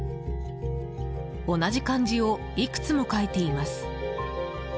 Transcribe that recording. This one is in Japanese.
同じ漢字をいくつも書いています。